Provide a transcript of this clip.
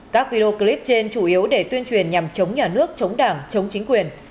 các video clip trên chủ yếu để tuyên truyền nhằm chống nhà nước chống đảng chống chính quyền